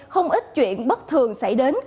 không ít chuyện bất thường xảy đến